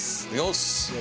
よし！